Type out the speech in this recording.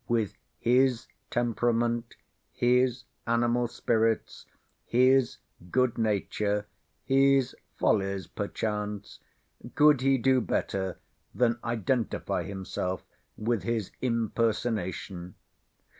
with his temperament, his animal spirits, his good nature, his follies perchance, could he do better than identify himself with his impersonation?